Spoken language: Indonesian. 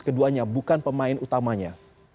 keduanya bukan pemain utamanya